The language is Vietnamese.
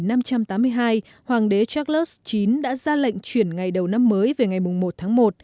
năm một nghìn năm trăm tám mươi hai hoàng đế charles ix đã ra lệnh chuyển ngày đầu năm mới về ngày mùng một tháng một